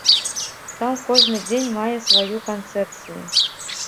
Там кожны дзень мае сваю канцэпцыю.